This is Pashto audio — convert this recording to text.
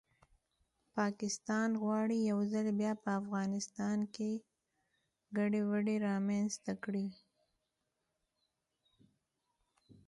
پاکستان غواړي یو ځل بیا په افغانستان کې ګډوډي رامنځته کړي